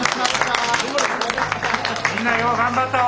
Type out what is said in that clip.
みんなよう頑張ったわ。